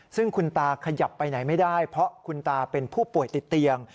ซึ่งคุณตาขยับไปไหนไม่ได้เพราะคุณตาเป็นผู้ป่วยติดเตียง